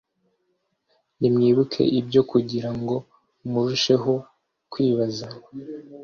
nimwibuke ibyo kugira ngo murusheho kwibaza,